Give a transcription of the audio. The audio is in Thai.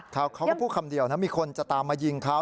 เขาก็พูดคำเดียวนะมีคนจะตามมายิงเขา